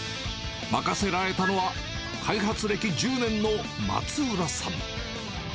任せられたのは、開発歴１０年の松浦さん。